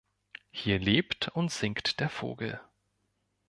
Hier lebt und singt der Vogel.